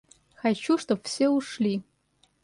Хочу чтоб все ушли!